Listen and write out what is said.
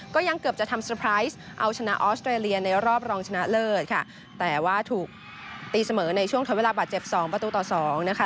ก็ยังเกือบจะทำเตอร์ไพรส์เอาชนะออสเตรเลียในรอบรองชนะเลิศค่ะแต่ว่าถูกตีเสมอในช่วงทดเวลาบาดเจ็บสองประตูต่อสองนะคะ